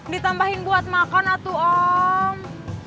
ditambahin buat makan atau om